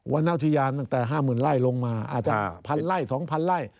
รณอุทยานตั้งแต่๕๐๐๐ไร่ลงมาอาจจะ๑๐๐ไร่๒๐๐ไร่